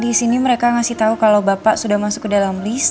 disini mereka ngasih tau kalo bapak sudah masuk ke dalam list